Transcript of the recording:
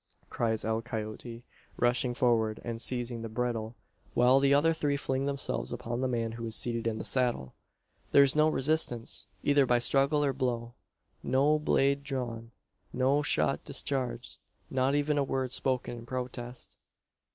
cries El Coyote, rushing forward and seizing the bridle, while the other three fling themselves upon the man who is seated in the saddle. There is no resistance, either by struggle or blow; no blade drawn; no shot discharged: not even a word spoken in protest!